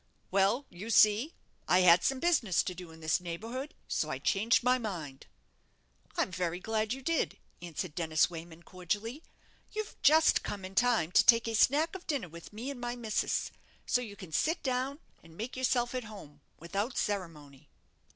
"Well, you see, I had some business to do in this neighbourhood, so I changed my mind." "I'm very glad you did," answered Dennis Wayman, cordially; "you've just come in time to take a snack of dinner with me and my missus, so you can sit down, and make yourself at home, without ceremony."